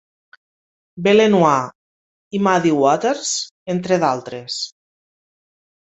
B. Lenoir i Muddy Waters, entre d'altres.